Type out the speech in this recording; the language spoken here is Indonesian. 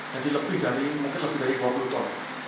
jadi lebih dari dua puluh ton